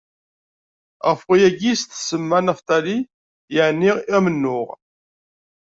Ɣef wayagi i s-tsemma Naftali, yeɛni amennuɣ.